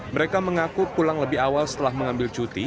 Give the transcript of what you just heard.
mereka mengaku pulang lebih awal setelah mengambil cuti